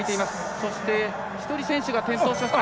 そして１人選手が転倒しました。